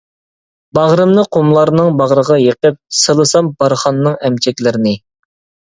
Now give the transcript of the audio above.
باغرىمنى قۇملارنىڭ باغرىغا يېقىپ، سىلىسام بارخاننىڭ ئەمچەكلىرىنى.